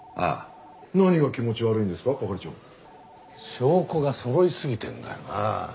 証拠がそろいすぎてんだよなあ。